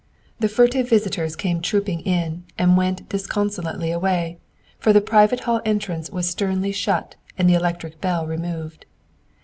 The furtive visitors came trooping in and went disconsolately away, for the private hall entrance was sternly shut and the electric bell removed.